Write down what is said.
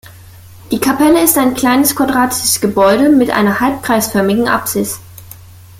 Die Kapelle ist ein kleines quadratisches Gebäude mit einer halbkreisförmigen Apsis.